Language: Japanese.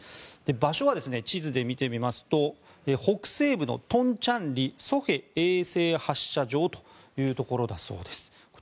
場所は地図で見てみますと北西部の東倉里西海衛星発射場というところだそうです。